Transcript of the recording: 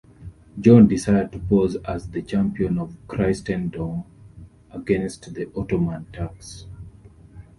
John desired to pose as the champion of Christendom against the Ottoman Turks.